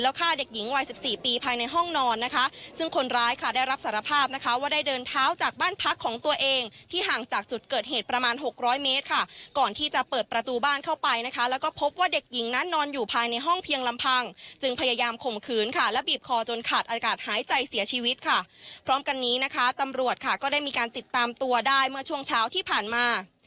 ว่าได้เดินเท้าจากบ้านพักของตัวเองที่ห่างจากจุดเกิดเหตุประมาณหกร้อยเมตรค่ะก่อนที่จะเปิดประตูบ้านเข้าไปนะคะแล้วก็พบว่าเด็กหญิงนั้นนอนอยู่ภายในห้องเพียงลำพังจึงพยายามข่มขืนค่ะแล้วบีบคอจนขาดอากาศหายใจเสียชีวิตค่ะพร้อมกันนี้นะคะตำรวจค่ะก็ได้มีการติดตามตัวได้เมื่อช่วงเช้า